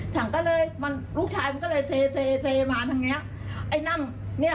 ฉันก็เลยมันลูกชายมันก็เลยเซเซมาทางเนี้ยไอ้นั่นเนี้ย